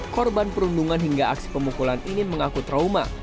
korban perundungan hingga aksi pemukulan ini mengaku trauma